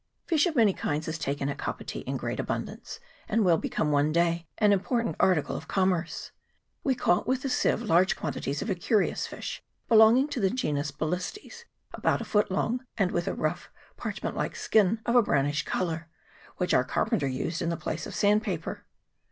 Fish of many kinds is taken at Kapiti in great abundance, and will become one day an important; article of commerce. We caught with the sieve large quantities of a curious fish, belonging to the genus Balistes, about a foot long, and with a rough parchment like skin of a brownish colour, which our carpenter used in the place of sand paper.